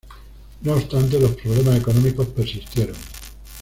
No obstante, los problemas económicos persistieron.